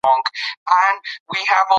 رسمي مکاتبې بايد په پښتو وي.